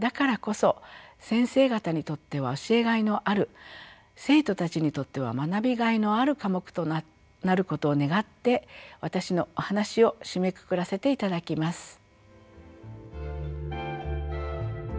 だからこそ先生方にとっては教えがいのある生徒たちにとっては学びがいのある科目となることを願って私のお話を締めくくらせていただきます。